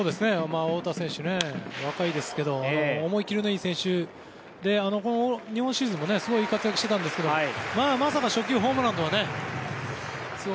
太田選手ね、若いですけど思い切りのいい選手でこの日本シリーズもすごい活躍をしてたんですけどまさか初球ホームランとはね。